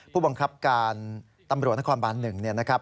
ผู้บังคับการตำรวจนครบาน๑เนี่ยนะครับ